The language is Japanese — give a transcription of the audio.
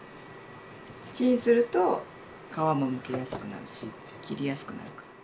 チンすると皮もむきやすくなるし切りやすくなるから。